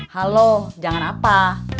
halo jangan apa